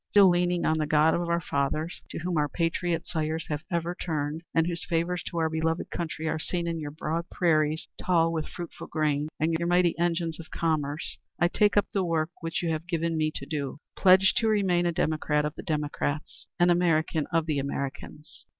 Still leaning on the God of our fathers, to whom our patriot sires have ever turned, and whose favors to our beloved country are seen in your broad prairies tall with fruitful grain, and your mighty engines of commerce, I take up the work which you have given me to do, pledged to remain a democrat of the democrats, an American of the Americans."